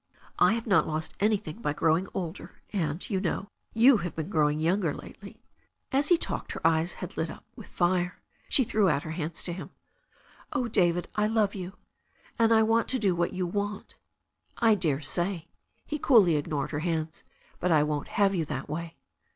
I have not lost anything by growing older, and, you know, you have been growing younger lately." As he had talked her eyes had lit up with fire. She threw out her hands to him. "Oh, David, I love you, and I want to do what you want." "I dare say." He coolly ignored her hands. "But I won't have you that way."